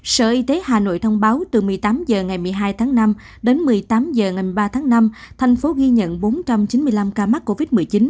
sở y tế hà nội thông báo từ một mươi tám h ngày một mươi hai tháng năm đến một mươi tám h ngày ba tháng năm thành phố ghi nhận bốn trăm chín mươi năm ca mắc covid một mươi chín